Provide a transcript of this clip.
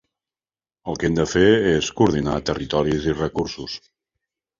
El que hem de fer és coordinar territoris i recursos.